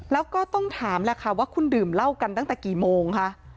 แล้วก็ต้องถามแหละค่ะว่าคุณดื่มเหล้ากันตั้งแต่กี่โมงคะ